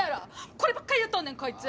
こればっかり言うとんねんこいつ。